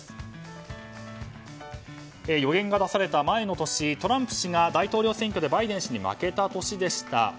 予言が出された前の年トランプ氏が大統領選挙でバイデン氏に負けた年でした。